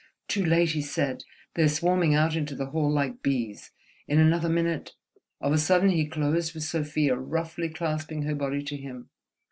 "Too late," he said: "they're swarming out into the hall like bees. In another minute ..." Of a sudden he closed with Sofia, roughly clasping her body to him.